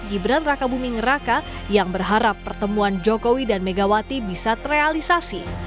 gibran raka buming raka yang berharap pertemuan jokowi dan megawati bisa terrealisasi